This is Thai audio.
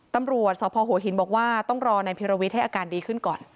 ตำรวจสพหัวหินบอกว่าต้องรอนายพิรวิทย์ให้อาการดีขึ้นก่อน